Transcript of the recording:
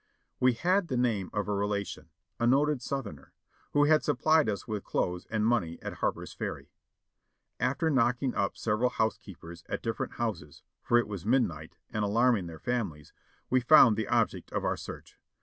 We had the name of a relation, a noted Southerner, who had supplied us with clothes and money at Harper's Ferry. Af ter knocking up several housekeepers at different houses, for it was midnight, and alarming their families, we found the object of our search.